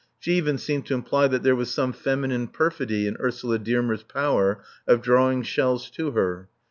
She even seemed to imply that there was some feminine perfidy in Ursula Dearmer's power of drawing shells to her.